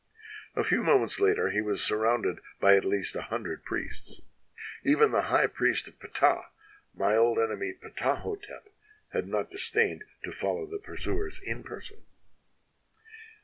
A few mo ments later he was surrounded by at least a hundred priests. "Even the high priest of Ptah, my old enemy Ptaho tep, had not disdained to follow the pursuers in person.